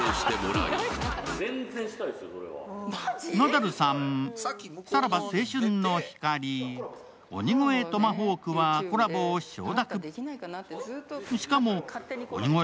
ナダルさん、さらば青春の光、鬼越トマホークはコラボを承諾。